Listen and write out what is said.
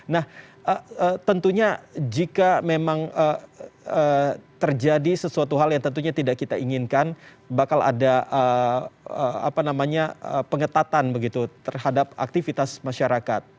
nah tentunya jika memang terjadi sesuatu hal yang tentunya tidak kita inginkan bakal ada pengetatan begitu terhadap aktivitas masyarakat